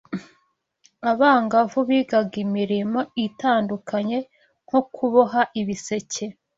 Abangavu bigaga imirimo itandukanye nko kwuboha ibisecye